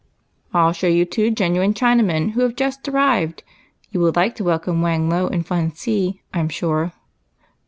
" I '11 show you two genuine Chinamen who have just arrived. You will like to welcome Whang Lo and Fun See, I 'm sure."